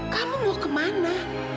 kamu mau kemana